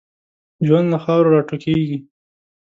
ژوند له خاورو را ټوکېږي.